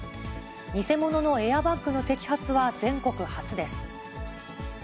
偽物のエアバッグの摘発は全国初です。